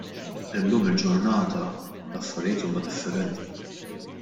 Illum il-ġurnata l-affarijiet huma differenti.